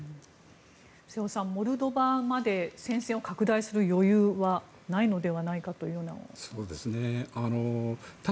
瀬尾さん、モルドバまで戦線を拡大する余裕はないのではないかといいますが。